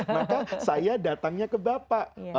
maka saya datangnya ke bapak